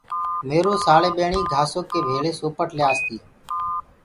ميرو سآݪي ٻيڻ گھآسو ڪي ڀݪي سوپٽ ليآس تي۔